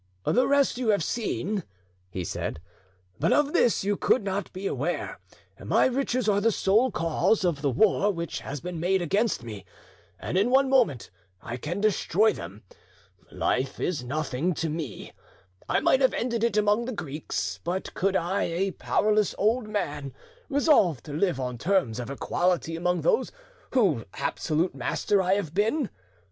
"The rest you have seen," he said, "but of this you could not be aware. My riches are the sole cause of the war which has been made against me, and in one moment I can destroy them. Life is nothing to me, I might have ended it among the Greeks, but could I, a powerless old man, resolve to live on terms of equality among those whose absolute master I have been?